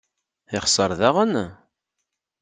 Yexser daɣen?